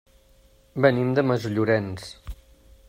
Venim de Masllorenç.